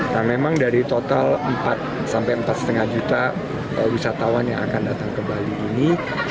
nah memang dari total empat sampai empat lima juta wisatawan yang akan datang ke bali ini